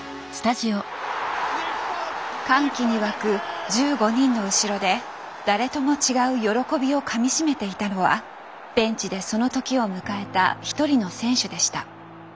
歓喜にわく１５人の後ろで誰とも違う喜びをかみしめていたのはベンチでその時を迎えた一人の選手でした。